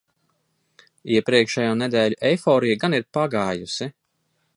Iepriekšējo nedēļu eiforija gan ir pagājusi.